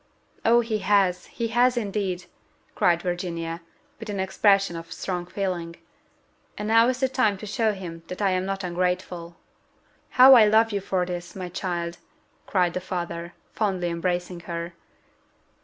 "Oh, he has he has, indeed!" cried Virginia, with an expression of strong feeling; "and now is the time to show him that I am not ungrateful." "How I love you for this, my child!" cried her father, fondly embracing her.